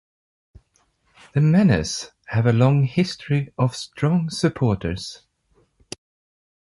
The Menace have a long history of strong supporters.